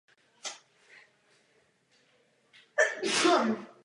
Jedním z jeho přívrženců je i Vincent van Gogh.